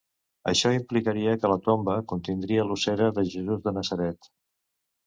Això implicaria que la tomba contindria l'ossera de Jesús de Natzaret.